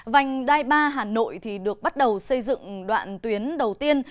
vành đai ba hà nội được bắt đầu xây dựng đoạn tuyến đầu tiên